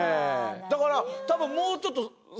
だから多分もうちょっと探せばね。